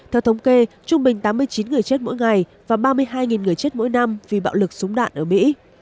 theo thống kê trung bình tám mươi chín người chết mỗi ngày và ba mươi hai người chết mỗi năm vì bạo lực súng đạn ở mỹ